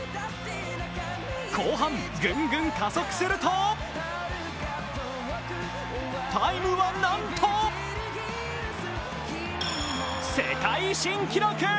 後半、ぐんぐん加速するとタイムはなんと世界新記録。